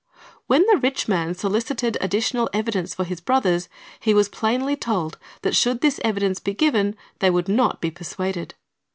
When the rich man solicited additional evidence for his brothers, he was plainly told that should this evidence be given, they would not be persuaded.